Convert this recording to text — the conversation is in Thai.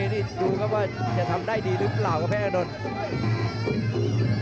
นี่ดูครับว่าจะทำได้ดีหรือเปล่าครับแพ้อานนท์